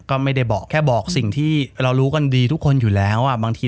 ก็ไม่ได้บอกแค่บอกสิ่งที่เรารู้กันดีทุกคนอยู่แล้วบางที